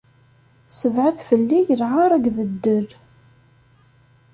Ssebɛed fell-i lɛar akked ddel.